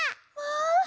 まあ！